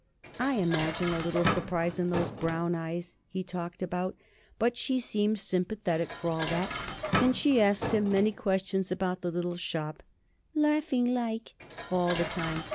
I imagine a little surprise in those brown eyes he talked about, but she seemed sympathetic for all that, and she asked him many questions about the little shop, "laughing like" all the time.